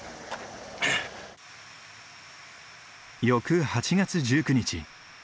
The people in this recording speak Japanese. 翌８月１９日。